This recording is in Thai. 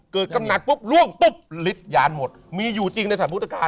กำหนักปุ๊บล่วงปุ๊บฤทธิยานหมดมีอยู่จริงในสถานพุทธกาล